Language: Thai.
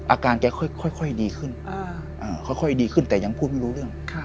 อาการแจ๊คค่อยดีขึ้นแต่ยังพูดไม่รู้เรื่อง